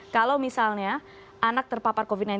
kalau misalnya anak terpapar covid sembilan belas